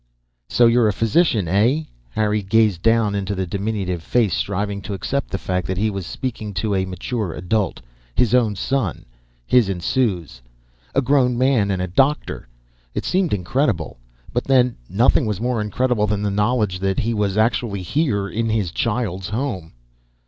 "So you're a physician, eh?" Harry gazed down into the diminutive face, striving to accept the fact that he was speaking to a mature adult. His own son his and Sue's a grown man and a doctor! It seemed incredible. But then, nothing was more incredible than the knowledge that he was actually here, in his child's home.